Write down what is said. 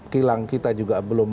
kilang kita juga belum